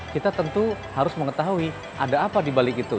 kita tentu harus mengetahui ada apa dibalik itu